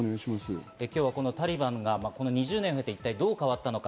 今日はこのタリバンが２０年経て、どう変わったのか？